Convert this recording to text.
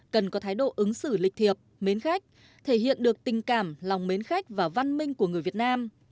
cần có thái độ ứng xử lịch thiệp mến khách thể hiện được tình cảm lòng mến khách và văn minh của người việt nam